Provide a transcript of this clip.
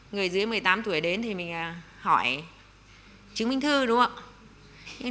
người dưới một mươi tám tuổi đến thì mình hỏi chứng minh thư đúng không ạ